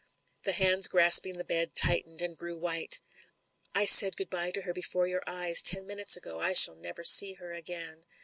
The hands grasping the bed tightened, and grew white. "I said 'Good bye' to her before your eyes, ten minutes ago. I shall never see her again."